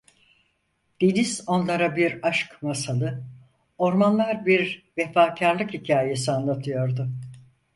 Deniz onlara bir aşk masalı, ormanlar bir vefakârlık hikâyesi anlatıyordu.